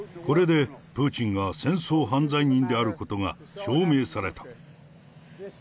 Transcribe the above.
これでプーチンが戦争犯罪人であることが証明された。